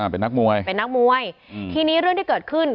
เป็นนักมวยเป็นนักมวยทีนี้เรื่องที่เกิดขึ้น